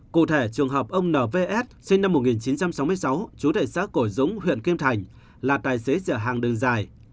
cụ thể trường hợp ông nvs sinh năm một nghìn chín trăm sáu mươi sáu chú thể sars cov hai huyện kim thành là tài xế chở hàng đường dài